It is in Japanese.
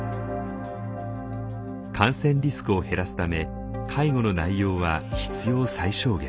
感染リスクを減らすため介護の内容は必要最小限。